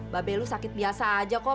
babe lu sakit biasa aja kok